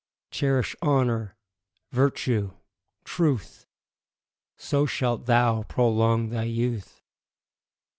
Cherish honour, virtue, truth, So shalt thou prolong thy youth.